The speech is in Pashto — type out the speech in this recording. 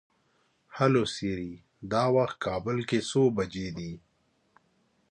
هلو سیري! دا وخت کابل کې څو بجې دي؟